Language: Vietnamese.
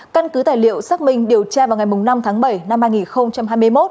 căn cứ tài liệu xác minh điều tra vào ngày năm tháng bảy năm hai nghìn hai mươi một